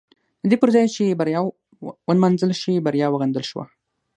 د دې پر ځای چې بریا ونمانځل شي بریا وغندل شوه.